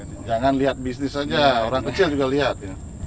jangan lihat bisnis saja orang kecil juga lihat ya